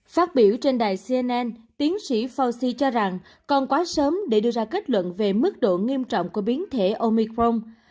phát biểu trên đài cnn tiến sĩ fauci cho rằng còn quá sớm để đưa ra kết luận về mức độ nghiêm trọng của biến thể omicron